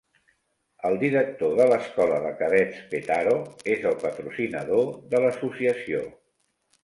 El director de l'Escola de Cadets Petaro és el patrocinador de l'associació.